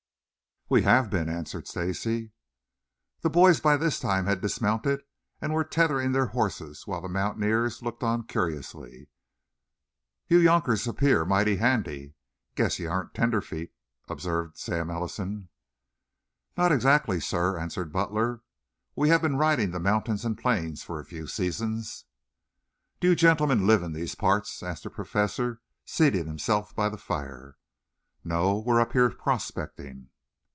"We have been," answered Stacy. The boys by this time had dismounted and were tethering their horses while the mountaineers looked on curiously. "You younkers 'pear mighty handy. Guess you aren't tenderfeet," observed Sam Ellison. "Not exactly, sir," answered Butler. "We have been riding the mountains and plains for a few seasons." "Do you gentlemen live in these parts?" asked the Professor, seating himself by the fire. "No. We're up here prospecting."